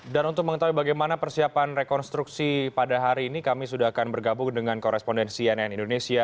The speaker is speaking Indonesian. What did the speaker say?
dan untuk mengetahui bagaimana persiapan rekonstruksi pada hari ini kami sudah akan bergabung dengan korespondensi cnn indonesia